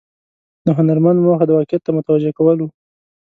د هنرمند موخه د واقعیت ته متوجه کول و.